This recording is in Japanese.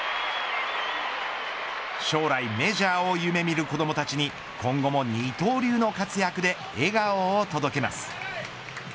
将来メジャーを夢見る子どもたちに今後も二刀流の活躍で笑顔を届けます。